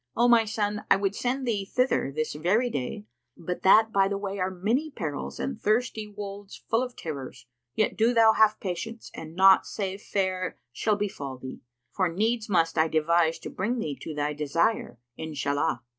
O my son, I would send thee thither this very day, but that by the way are many perils and thirsty wolds full of terrors; yet do thou have patience and naught save fair shall befal thee, for needs must I devise to bring thee to thy desire, Inshallah!